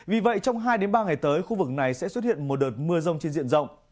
vì vậy trong hai ba ngày tới khu vực này sẽ xuất hiện một đợt mưa rông trên diện rộng